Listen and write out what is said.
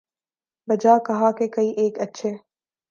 'بجا کہا کہ کئی ایک اچھے